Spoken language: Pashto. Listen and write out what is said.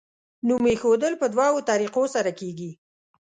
نوم ایښودل په دوو طریقو سره کیږي.